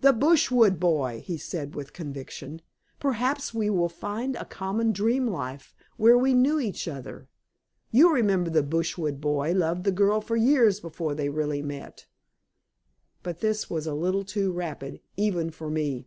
"The Brushwood Boy!" he said with conviction. "Perhaps we will find a common dream life, where we knew each other. You remember the Brushwood Boy loved the girl for years before they really met." But this was a little too rapid, even for me.